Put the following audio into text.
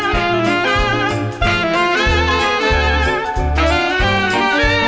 สวัสดีครับ